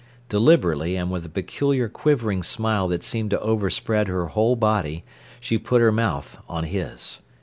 Deliberately, and with a peculiar quivering smile that seemed to overspread her whole body, she put her mouth on his.